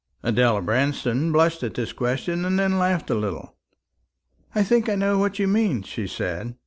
Adela Branston blushed at this question, and then laughed a little. "I think I know what you mean," she said.